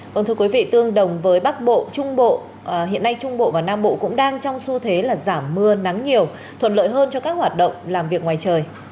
vâng thưa quý vị tương đồng với bắc bộ trung bộ hiện nay trung bộ và nam bộ cũng đang trong xu thế là giảm mưa nắng nhiều thuận lợi hơn cho các hoạt động làm việc ngoài trời